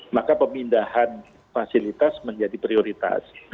maka pemindahan fasilitas menjadi prioritas